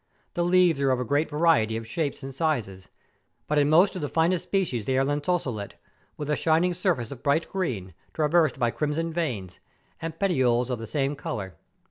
The leaves are of a great variety of shapes and sizes, but in most of the finest species they are lanceolate, with a shining surface of bright green, traversed by crimson veins, and petioles of the same colour.